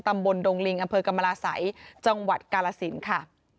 ดงลิงอำเภอกรรมราศัยจังหวัดกาลสินค่ะ